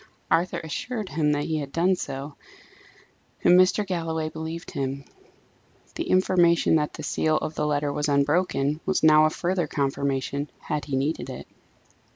Arthur assured him that he had done so, and Mr. Galloway believed him; the information that the seal of the letter was unbroken was now a further confirmation, had he needed it.